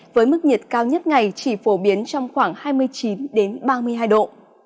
với mức nhiệt cao nhất ngày chỉ phổ biến trong khoảng hai mươi chín ba mươi hai độ